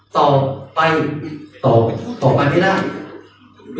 ต่อไปต่อไปไม่ได้